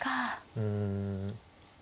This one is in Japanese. うん。